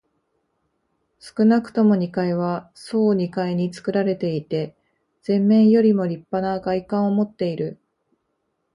少なくとも二階は総二階につくられていて、前面よりもりっぱな外観をもっている。